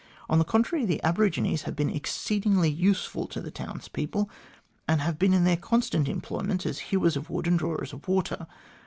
On the contrary, the aborigines have been exceedingly useful to the townspeople, and have been in their constant employment as hewers of wood and drawers of water.